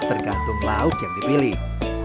tergantung laut yang dipilih